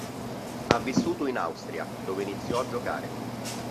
Ha vissuto in Austria dove iniziò a giocare.